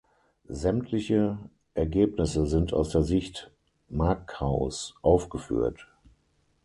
Sämtliche Ergebnisse sind aus der Sicht Macaus aufgeführt.